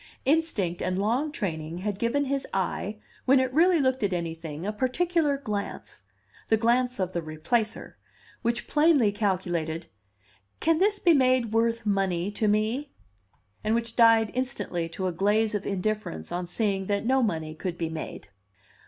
Instinct and long training had given his eye, when it really looked at anything, a particular glance the glance of the Replacer which plainly calculated: "Can this be made worth money to me?" and which died instantly to a glaze of indifference on seeing that no money could be made.